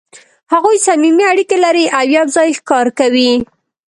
هغوی صمیمي اړیکې لري او یو ځای ښکار کوي.